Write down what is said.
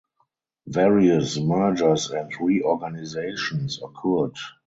Various mergers and reorganisations occurred.